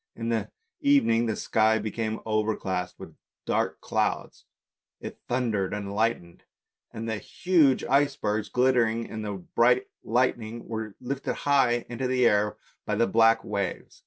In the evening the sky became overcast with dark clouds; it thundered and lightened, and the huge icebergs glittering in the bright lightning, were lifted high into the air by the black waves.